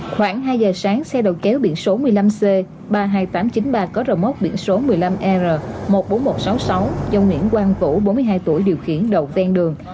khoảng hai giờ sáng xe đầu kéo biển số một mươi năm c ba mươi hai nghìn tám trăm chín mươi ba có rầu móc biển số một mươi năm r một mươi bốn nghìn một trăm sáu mươi sáu do nguyễn quang vũ bốn mươi hai tuổi điều khiển đậu ven đường